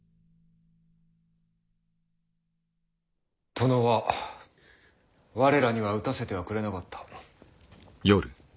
殿は我らには討たせてはくれなかった。